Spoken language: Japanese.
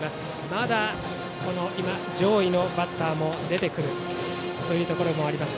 まだ上位のバッターも出てくるというところもあります。